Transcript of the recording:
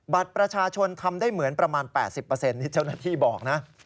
บัตรประชาชนทำได้เหมือนประมาณ๘๐นี่เจ้าหน้าที่บอกนะ